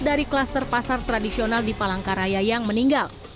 dari kluster pasar tradisional di palangkaraya yang meninggal